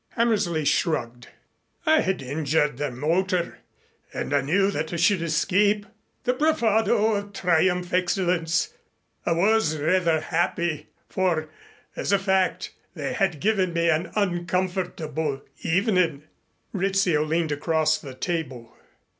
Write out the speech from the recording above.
Hammersley shrugged. "I had injured their motor, and I knew that I should escape. The bravado of triumph, Excellenz. I was rather happy, for, as a fact, they had given me an uncomfortable evening." Rizzio leaned across the table.